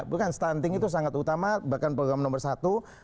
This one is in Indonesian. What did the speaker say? bukan stunting itu sangat utama bahkan program nomor satu